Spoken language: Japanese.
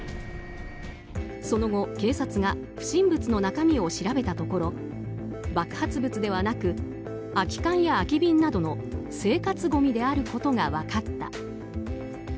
その後、警察が不審物の中身を調べたところ爆発物ではなく空き缶や空き瓶などの生活ごみであることが分かった。